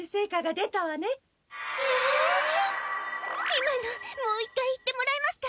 今のもう一回言ってもらえますか？